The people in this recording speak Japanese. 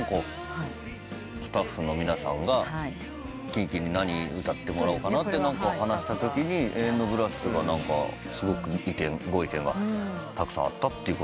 スタッフの皆さんがキンキに何歌ってもらおうかなと話したときに『永遠のＢＬＯＯＤＳ』がすごくご意見がたくさんあったと。